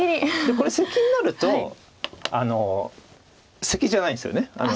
これセキになるとセキじゃないんですよね。